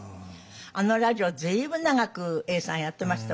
あのラジオ随分長く永さんやってました